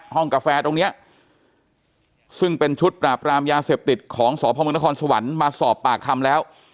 กาแฟตรงนี้ซึ่งเป็นชุดปราบรามยาเสพติดของสพมนครสวรรค์มาสอบปากคำแล้ว